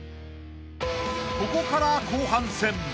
［ここから後半戦］